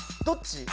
どっち？